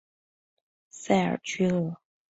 塞尔屈厄。